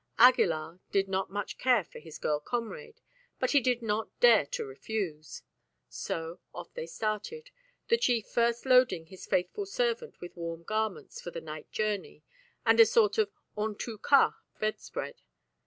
Aguilar did not much care for his girl comrade, but he did not dare to refuse: so off they started, the chief first loading his faithful servant with warm garments for the night journey and a sort of en tout cas bedspread.